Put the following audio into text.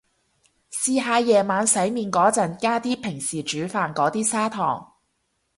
試下夜晚洗面個陣加啲平時煮飯個啲砂糖